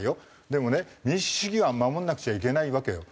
でもね民主主義は守んなくちゃいけないわけよ。